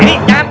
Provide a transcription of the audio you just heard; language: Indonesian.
eh ini jangan